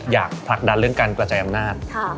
อยากผลักดันเรื่องการกระจายอำนาจ